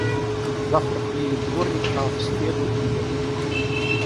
Завтра приедет дворник, а в середу уеду.